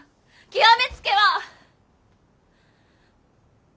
極めつけは。